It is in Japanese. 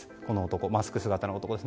マスク姿の男です。